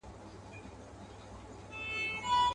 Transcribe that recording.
پر هېزګاره وو سایه د پاک سبحان وو.